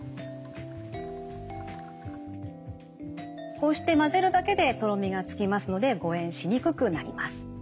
こうして混ぜるだけでとろみがつきますので誤えんしにくくなります。